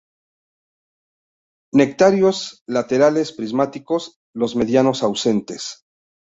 Nectarios laterales prismáticos; los medianos ausentes.